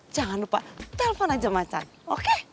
jangan lupa telpon aja macan oke